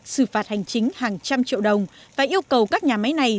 xử phạt hành chính hàng trăm triệu đồng và yêu cầu các nhà máy này